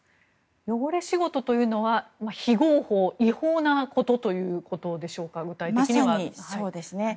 汚れ仕事というのは非合法、違法なことということでしょうかまさにそうですね。